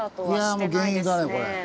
いやもう原油だねこれ。